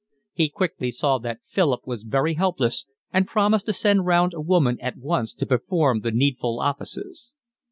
He quickly saw that Philip was very helpless and promised to send round a woman at once to perform the needful offices.